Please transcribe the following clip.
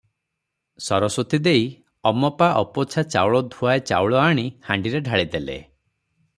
ସରସ୍ୱତୀ ଦେଈ ଅମପା ଅପୋଛା ଚାଉଳଧୂଆଏ ଚାଉଳ ଆଣି ହାଣ୍ଡିରେ ଢାଳିଦେଲେ ।